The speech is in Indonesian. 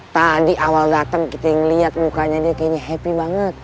tadi awal datang kita ngeliat mukanya dia kayaknya happy banget